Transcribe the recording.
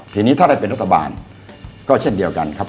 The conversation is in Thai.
ทีนี้ถ้าได้เป็นรัฐบาลก็เช่นเดียวกันครับ